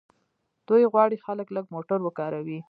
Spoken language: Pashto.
دوی غواړي خلک لږ موټر وکاروي.